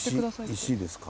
石ですか。